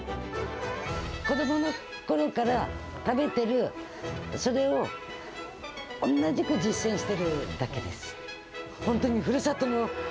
子どものころから食べてる、それを同じく実践してるだけです。